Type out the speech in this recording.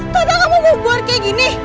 tadah kamu membuat kayak gini